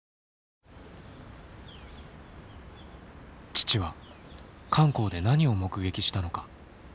父は漢口で何を目撃したのか。